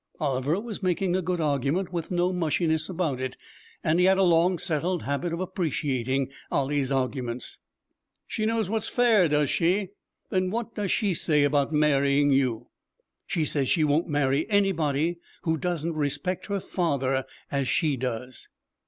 Oliver was making a good argument with no mushiness about it, and he had a long settled habit of appreciating Ollie's arguments. 'She knows what's fair, does she? Then what does she say about marrying you?' 'She says she won't marry anybody who doesn't respect her father as she does!'